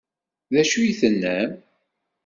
D acu i tennam?